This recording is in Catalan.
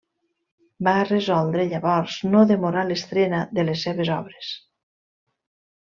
Va resoldre llavors no demorar l'estrena de les seves obres.